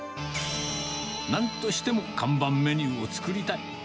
なんとしても看板メニューを作りたい。